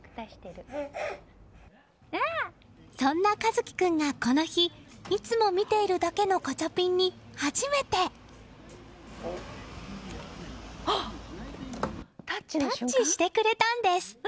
そんな一樹君がこの日いつも見ているだけのガチャピンに初めてタッチしてくれたんです。